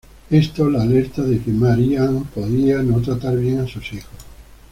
Esto la alerta de que Marie-Anne podría no tratar bien a sus hijos.